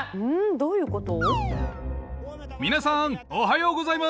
どういうこと？